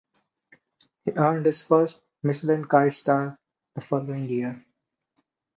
He earned his first Michelin Guide star the following year.